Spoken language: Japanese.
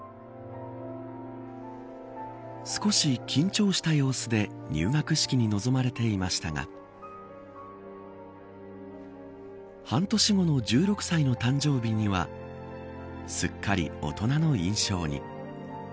少し緊張した様子で入学式に臨まれていましたが半年後の、１６歳の誕生日にはすっかり大人の印象に。